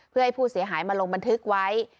เพื่อให้ผู้เสียหายมาลงบันทึกไว้